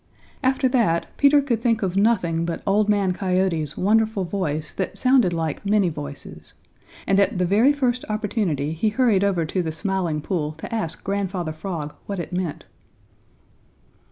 After that, Peter could think of nothing but Old Man Coyote's wonderful voice that sounded like many voices, and at the very first opportunity he hurried over to the Smiling Pool to ask Grandfather Frog what it meant.